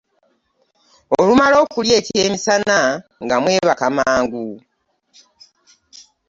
Olumala okulya ekyemisana nga mwebaka mangu.